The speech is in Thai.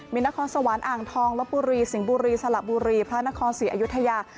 มีนครสวรรค์อ่างทองลบบุรีสิงห์บุรีสละบุรีพระนครศรีอยุธยา